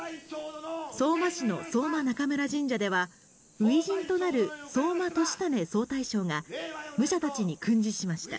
相馬市の相馬中村神社では、初陣となる相馬言胤総大将が、武者たちに訓示しました。